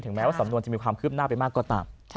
แม้ว่าสำนวนจะมีความคืบหน้าไปมากก็ตาม